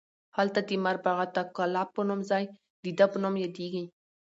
هلته د مربعة کلاب په نوم ځای د ده په نوم یادیږي.